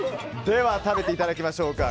では食べていただきましょうか。